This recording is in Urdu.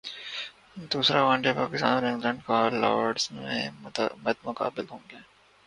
دوسرا ون ڈے پاکستان اور انگلینڈ کل لارڈز میں مدمقابل ہونگے